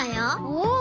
おお！